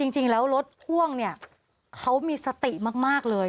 จริงแล้วรถบรรทุกที่พ่วงเขามีสติมากเลย